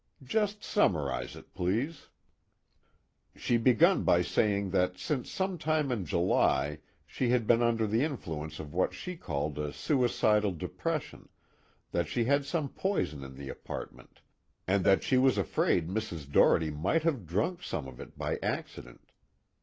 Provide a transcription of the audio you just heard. "Just summarize it, please." "She began by saying that since some time in July she had been under the influence of what she called a suicidal depression, that she had some poison in the apartment, and that she was afraid Mrs. Doherty might have drunk some of it by accident.